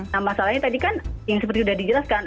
nah masalahnya tadi kan yang seperti sudah dijelaskan